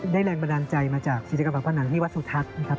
ได้แรงบันดาลใจมาจากศิษยากรรมพนันทร์ที่วัดสุทัศน์นะครับ